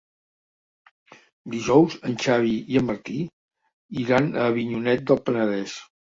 Dijous en Xavi i en Martí iran a Avinyonet del Penedès.